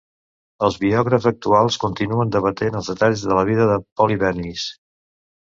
Els biògrafs actuals continuen debatent els detalls de la vida de Polly Bemis.